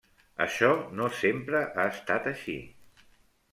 Això no sempre ha estat així.